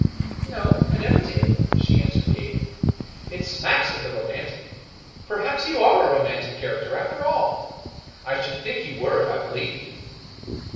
" No, I never did," she answered gayly. " It smacks of the romantic. Perhaps you are a romantic character, after all. I should think you were if I believed you.